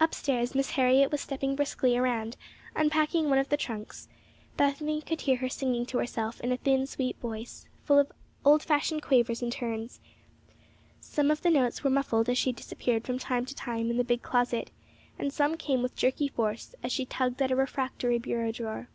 Up stairs, Miss Harriet was stepping briskly around, unpacking one of the trunks. Bethany could hear her singing to herself in a thin, sweet voice, full of old fashioned quavers and turns. Some of the notes were muffled as she disappeared from time to time in the big closet, and some came with jerky force as she tugged at a refractory bureau drawer.